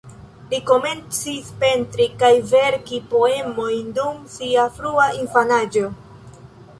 Li komencis pentri kaj verki poemojn dum sia frua infanaĝo.